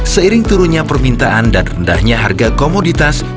seiring turunnya permintaan dan rendahnya harga komoditas